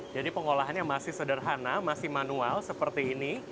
jadi pengolahannya masih sederhana masih manual seperti ini